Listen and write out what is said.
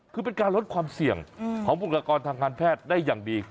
คือเป็นการลดความเสี่ยงของบุคลากรทางการแพทย์ได้อย่างดี